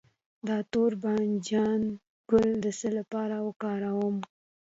د تور بانجان ګل د څه لپاره وکاروم؟